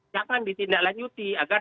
jangan ditindaklanjuti agar